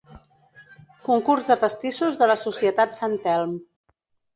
Concurs de pastissos de la Societat Sant Telm.